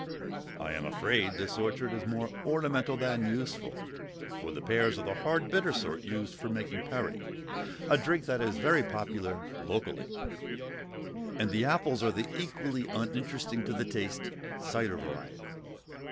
I am afraid this orchard is more ornamental than useful, for the pears are the hard bitter sort used for making perry, a drink that is very popular locally; and the apples are the equally uninteresting to the taste cider variety.